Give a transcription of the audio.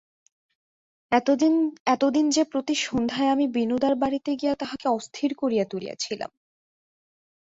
এতদিন যে প্রতি সন্ধ্যায় আমি বিনুদার বাড়িতে গিয়া তাঁহাকে অস্থির করিয়া তুলিয়াছিলাম।